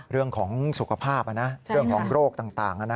เรื่องของสุขภาพเรื่องของโรคต่าง